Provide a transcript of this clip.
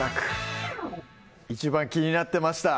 一番気になってました